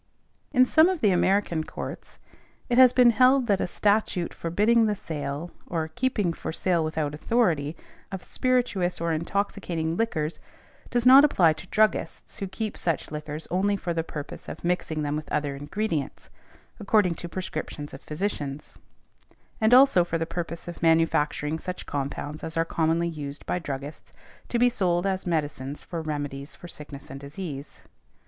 In some of the American Courts it has been held that a statute forbidding the sale or keeping for sale without authority of spirituous or intoxicating liquors does not apply to druggists who keep such liquors only for the purpose of mixing them with other ingredients, according to prescriptions of physicians; and also for the purpose of manufacturing such compounds as are commonly used by druggists to be sold as medicines for remedies for sickness and disease .